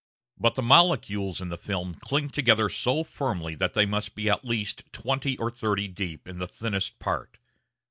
But the molecules in the film cling together so firmly that they must be at least twenty or thirty deep in the thinnest part.